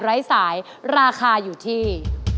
ไร้สายราคาอยู่ที่